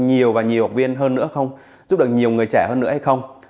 giúp đỡ nhiều và nhiều học viên hơn nữa không giúp đỡ nhiều người trẻ hơn nữa hay không